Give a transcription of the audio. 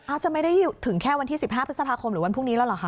จะไม่ได้ถึงแค่วันที่๑๕พฤษภาคมหรือวันพรุ่งนี้แล้วเหรอคะ